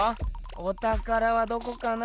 おたからはどこかな？